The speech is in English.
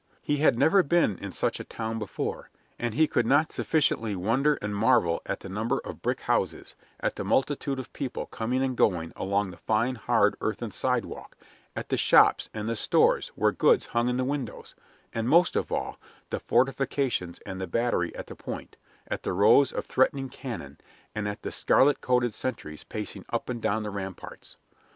He had never been in such a town before, and he could not sufficiently wonder and marvel at the number of brick houses, at the multitude of people coming and going along the fine, hard, earthen sidewalk, at the shops and the stores where goods hung in the windows, and, most of all, the fortifications and the battery at the point, at the rows of threatening cannon, and at the scarlet coated sentries pacing up and down the ramparts.